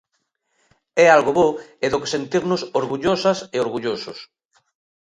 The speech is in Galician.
É algo bo e do que sentirnos orgullosas e orgullosos.